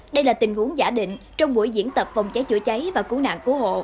đây là tình huống giả định trong buổi diễn tập phòng cháy chữa cháy và cứu nạn cứu hộ